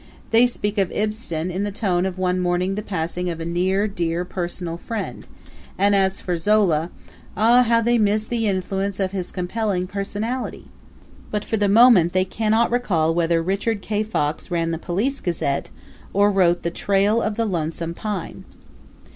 They speak of Ibsen in the tone of one mourning the passing of a near, dear, personal friend, and as for Zola ah, how they miss the influence of his compelling personality! But for the moment they cannot recall whether Richard K. Fox ran the Police Gazette or wrote the "Trail of the Lonesome Pine."